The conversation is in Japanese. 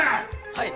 はい！